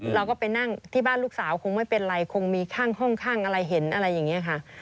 เราก็ไปนั่งที่บ้านลูกสาวคงไม่เป็นไรคงมีข้างห้องข้างอะไรเห็นอะไรอย่างนี้ค่ะ